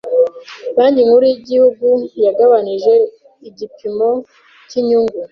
Banki nkuru y’igihugu yagabanije igipimo cy’inyungu.